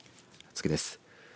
次です。